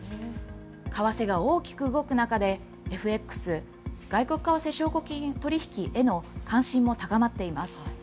為替が大きく動く中で、ＦＸ・外国為替証拠金取引への関心も高まっています。